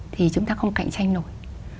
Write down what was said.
thì chúng ta không cạnh tranh nổi